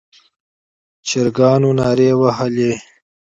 چرګانو نارې وهلې.